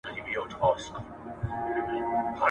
منظم استعمال یې خطر کموي.